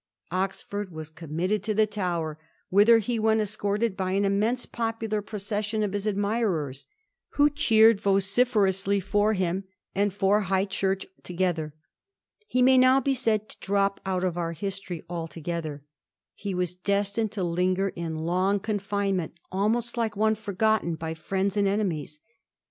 Oxford was committed to the Tower, whither he went escorted by an immense popular procession of his admirers, who cheered vociferously for him and for Digiti zed by Google 1715 'SMOTHERD IN ERRORS, FEEBLE, SHALLOW.' 149 High Church together. He may now be Baid to drop out of our history altogether. He was destined to hnger in long confinement, almost like one forgotten by Mends and enemies.